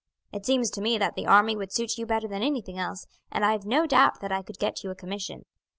It seems to me that the army would suit you better than anything else, and I have no doubt that I could get you a commission.